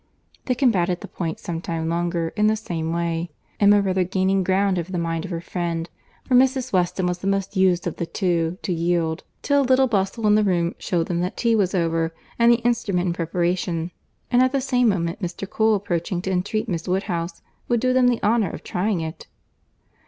They combated the point some time longer in the same way; Emma rather gaining ground over the mind of her friend; for Mrs. Weston was the most used of the two to yield; till a little bustle in the room shewed them that tea was over, and the instrument in preparation;—and at the same moment Mr. Cole approaching to entreat Miss Woodhouse would do them the honour of trying it.